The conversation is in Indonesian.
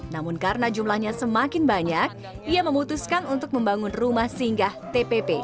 namun karena jumlahnya semakin banyak ia memutuskan untuk membangun rumah singgah tpp